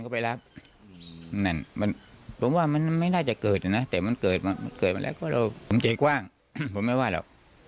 ครับผมผมไม่ว่าครับผมไม่ว่า